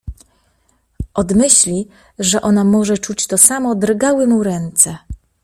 Od myśli, że ona może czuć to samo, drgały mu ręce.